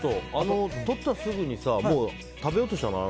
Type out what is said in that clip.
とったすぐに食べようとしたの？